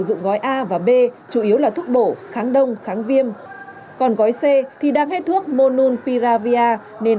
dụng gói a và b chủ yếu là thuốc bổ kháng đông kháng viêm còn gói c thì đang hết thuốc monun piravia nên